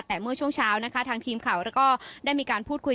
แต่เมื่อช่วงเช้าทางครีมข่าวเราก็ได้มีการพูดคุย